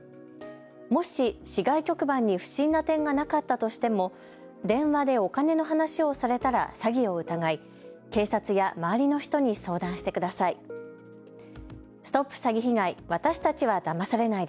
もし市外局番に不審な点がなかったとしても電話でお金の話をされたら詐欺を疑い、警察や周りの人に相談してください。